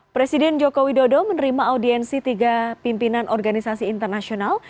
presiden joko widodo menerima audiensi tiga pimpinan organisasi internasional